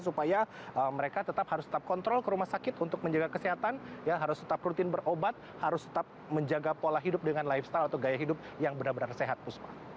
supaya mereka tetap harus tetap kontrol ke rumah sakit untuk menjaga kesehatan harus tetap rutin berobat harus tetap menjaga pola hidup dengan lifestyle atau gaya hidup yang benar benar sehat puspa